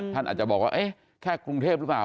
ท่านอาจจะบอกว่าเอ๊ะแค่กรุงเทพหรือเปล่า